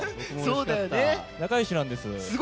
仲よしなんです。